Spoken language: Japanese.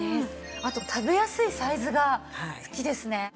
あと食べやすいサイズが好きですね。